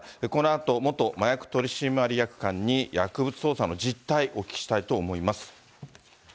このあと元麻薬取締官に薬物捜査の実態、お聞きしたいと思います。